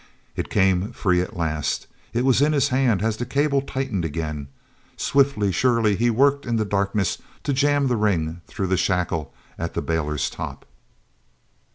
It came free at last; it was in his hand as the cable tightened again. Swiftly, surely, he worked in the darkness to jam the ring through the shackle at the bailer's top.